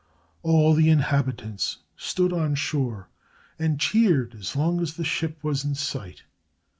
All the inhabitants stood on shore and cheered as long as the ship was in sight.